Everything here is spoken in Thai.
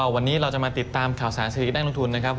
วันนี้เราจะมาติดตามข่าวสารสถิติด้านลงทุนนะครับ